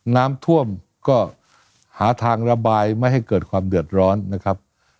น้ำท่วมก็หาทางระบายไม่ให้เกิดความเดือดร้อนนะครับ